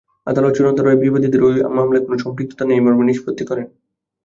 আদালত চূড়ান্ত রায়ে বিবাদীদের ওই মামলায় কোনো সম্পৃক্ততা নেই মর্মে নিষ্পত্তি করেন।